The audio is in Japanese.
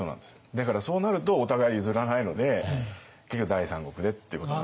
だからそうなるとお互い譲らないので結局第三国でっていうことになるんですよ。